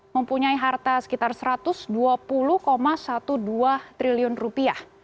mempunyai harta sekitar satu ratus dua puluh dua belas triliun rupiah